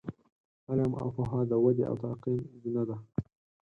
علم او پوهه د ودې او ترقۍ زینه ده.